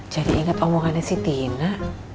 jadi inget omongannya si tina